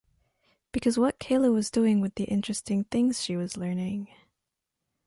because what Kayla was doing with the interesting things she was learning?